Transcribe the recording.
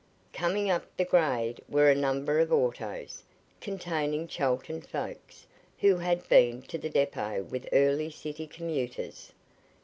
Coming up the grade were a number of autos, containing Chelton folks, who had been to the depot with early city commuters.